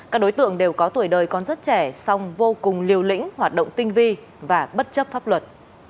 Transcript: các đối tượng đều có tuổi đời còn rất trẻ song vô cùng liều lĩnh hoạt động tinh vi và bất chấp pháp luật